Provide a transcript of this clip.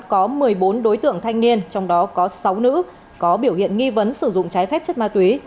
có một mươi bốn đối tượng thanh niên trong đó có sáu nữ có biểu hiện nghi vấn sử dụng trái phép chất ma túy